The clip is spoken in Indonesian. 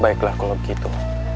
baiklah kalau begitu